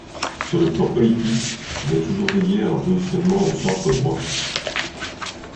Sur le plan politique, il a toujours veillé à un positionnement au centre droit.